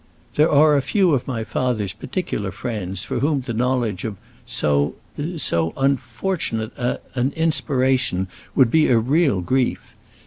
"There are a few of my father's particular friends for whom the knowledge of so—so unfortunate an—inspiration—would be a real grief.